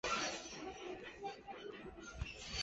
陆丰话从严格意义上来说是漳泉潮混合片闽南语。